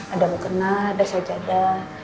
ada mukena ada sajada